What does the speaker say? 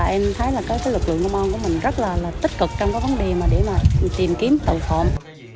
em thấy lực lượng công an của mình rất là tích cực trong các vấn đề để tìm kiếm tàu phòng